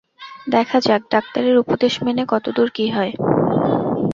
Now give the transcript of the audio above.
দেখা যাক, ডাক্তারের উপদেশ মেনে কতদূর কি হয়।